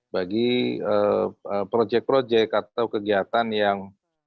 bagi projek projek atau kegiatan yang